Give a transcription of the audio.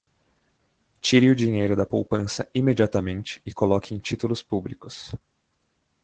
Tire o dinheiro da poupança imediatamente e coloque em títulos públicos